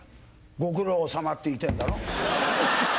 ご苦労さまって言いたいんだろ？